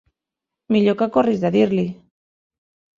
Millor que corris a dir-li.